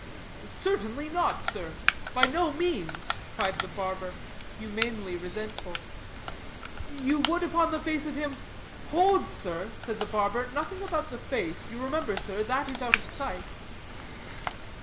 "Certainly not, sir; by no means," cried the barber, humanely resentful. "You would upon the face of him " "Hold, sir," said the barber, "nothing about the face; you remember, sir, that is out of sight."